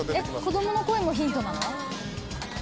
子供の声もヒントなの？